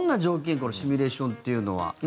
このシミュレーションというのは。